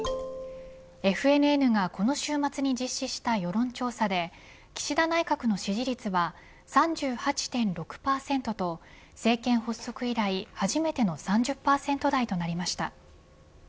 ＦＮＮがこの週末に実施した世論調査で岸田内閣の支持率は３８．６％と政権発足以来、初めての３０％台となりました。